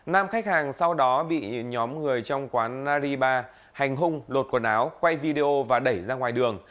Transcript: nam khách hàng sau đó bị nhóm người trong quán nariba hành hung lột quần áo quay video và đẩy ra ngoài đường